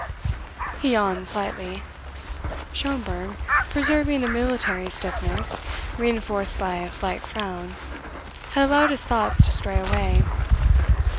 He yawned slightly. Schomberg, preserving a military stiffness reinforced by a slight frown, had allowed his thoughts to stray away.